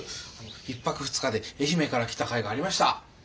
１泊２日で愛媛から来たかいがありました。